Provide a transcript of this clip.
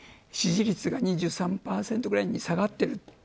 支持率が２３％ぐらいに下がっている。